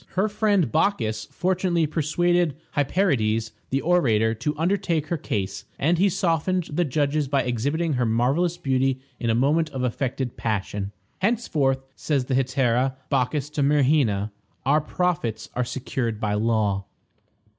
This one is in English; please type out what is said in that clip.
Her friend Bacchis fortunately persuaded Hyperides, the orator, to undertake her case, and he softened the judges by exhibiting her marvelous beauty in a moment of affected passion. "Henceforth," says the hetaira Bacchis to Myrrhina, "our profits are secured by law."